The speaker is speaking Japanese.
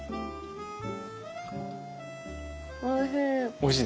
おいしい！